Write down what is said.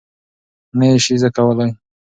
نه یې شې زده کولی؟